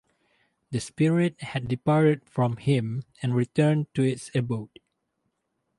The spirit had departed from him and returned to its abode.